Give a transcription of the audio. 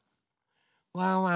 ワンワン